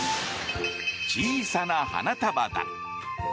小さな花束だ！